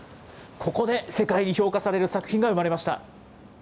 ここで世界に評価される作品が生まれました。